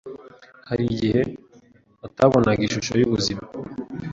Hari igihe atabonaga ishusho y’ubuzima,